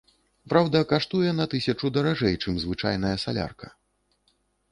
Праўда, каштуе на тысячу даражэй, чым звычайная салярка.